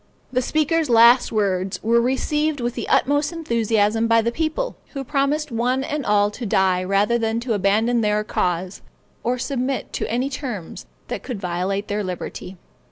The speaker's last words were received with the utmost enthusiasm by the people, who promised one and all to die rather than abandon their cause, or submit to any terms that could violate their liberty.